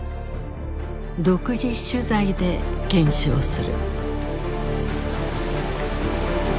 独自取材で検証する。